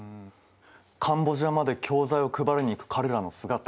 カンボジアまで教材を配りに行く彼らの姿。